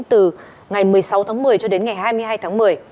từ ngày một mươi sáu tháng một mươi cho đến ngày hai mươi hai tháng một mươi